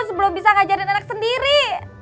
sebelum bisa ngajarin anak sendiri